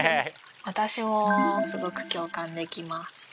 私もすごく共感できます。